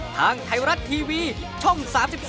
ทางไทยรัฐทีวีช่อง๓๒